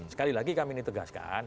sekali lagi kami ini tegaskan